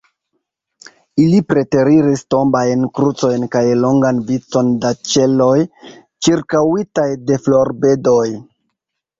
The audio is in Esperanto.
Ili preteriris tombajn krucojn kaj longan vicon da ĉeloj, ĉirkaŭitaj de florbedoj.